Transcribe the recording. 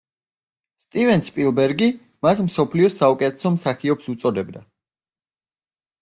სტივენ სპილბერგი მას მსოფლიოს საუკეთესო მსახიობს უწოდებდა.